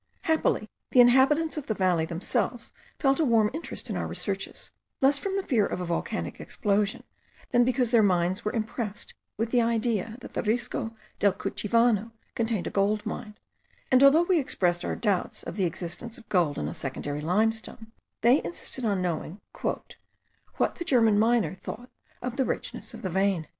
Happily the inhabitants of the valley themselves felt a warm interest in our researches, less from the fear of a volcanic explosion, than because their minds were impressed with the idea that the Risco del Cuchivano contained a gold mine; and although we expressed our doubts of the existence of gold in a secondary limestone, they insisted on knowing "what the German miner thought of the richness of the vein."